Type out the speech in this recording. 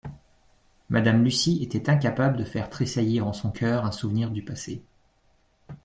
Madame Lucy était incapable de faire tressaillir en son cœur un souvenir du passé.